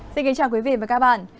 xin kính chào quý vị và các bạn